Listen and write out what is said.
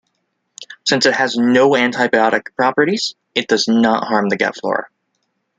Since it has no antibiotic properties, it does not harm the gut flora.